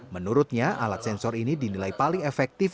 menurutnya alat sensor ini dinilai paling efektif